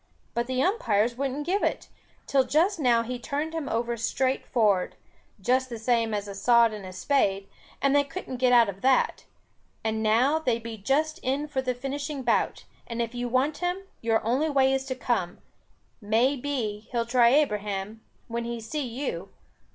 But the umpires wouldn't give it, till just now he turn him over straight for'ard, just the same as a sod in a spade, and they couldn't get out of that. And now they be just in for the finishing bout, and if you want him, your only way is to come. May be, he'll try Abraham, when he see you.